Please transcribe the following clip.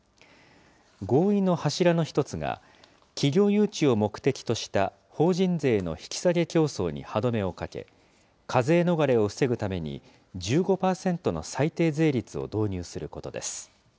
合意の柱の一つが、企業誘致を目的とした法人税の引き下げ競争に歯止めをかけ、課税逃れを防ぐために、１５％の最低税率を導入することです。